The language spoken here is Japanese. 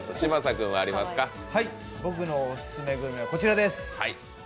僕のオススメグルメはこちらです。